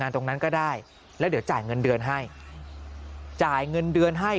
ตรงนั้นก็ได้แล้วเดี๋ยวจ่ายเงินเดือนให้จ่ายเงินเดือนให้